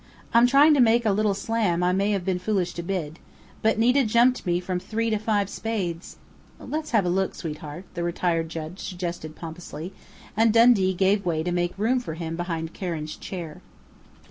I'm trying to make a little slam I may have been foolish to bid, but Nita jumped me from three to five Spades " "Let's have a look, sweetheart," the retired judge suggested pompously, and Dundee gave way to make room for him behind Karen's chair.